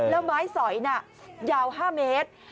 แล้วไม้สอยน่ะยาว๕เมตร